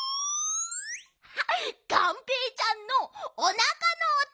がんぺーちゃんのおなかのおと！